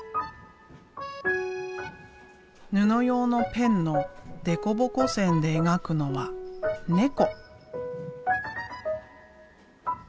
布用のペンのデコボコ線で描くのは「猫」。